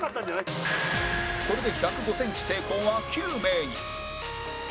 これで１０５センチ成功は９名に